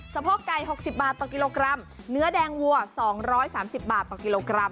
โพกไก่๖๐บาทต่อกิโลกรัมเนื้อแดงวัว๒๓๐บาทต่อกิโลกรัม